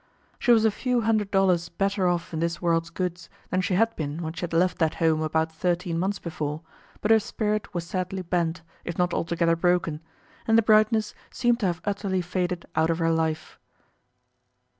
She was a few hundred dollars better off in this world's goods than she had been when she had left that home about thirteen months before, but her spirit was sadly bent, if not altogether broken, and the brightness seemed to have utterly faded out of her life.